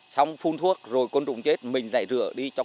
xong phun thuốc rồi côn trùng chết mình lại rửa đi cho cây